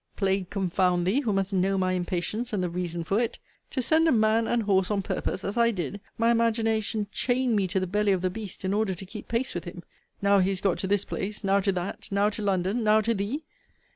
Plague confound thee, who must know my impatience, and the reason for it! To send a man and horse on purpose; as I did! My imagination chained me to the belly of the beast, in order to keep pace with him! Now he is got to this place; now to that; now to London; now to thee!